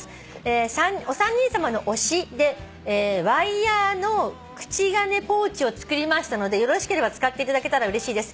「お三人さまの推しでワイヤの口金ポーチを作りましたのでよろしければ使っていただけたらうれしいです」